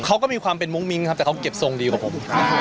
เขาก็มีความเป็นมุ้งมิ้งครับแต่เขาเก็บทรงดีกว่าผม